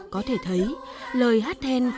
có thể thấy lời hát then